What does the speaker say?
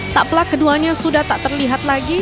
tak pelak keduanya sudah tak terlihat lagi